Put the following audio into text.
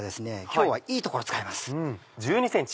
今日はいい所を使います。